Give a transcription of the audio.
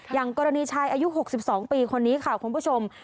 อย่างกรณีชายอายุ๖๒ปีคนนี้ค่ะคุณผู้ชม